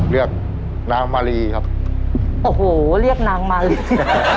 เลือกนางมารีครับโอ้โหเรียกนางมารีครับ